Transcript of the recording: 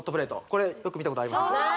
これよく見たことありますよねああ